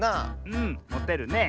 うんもてるね。